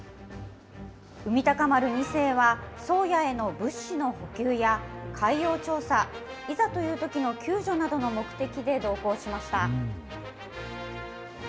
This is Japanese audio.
海鷹丸２世は、宗谷への物資の補給や、海洋調査、いざというときの救助などの目的で同行しました。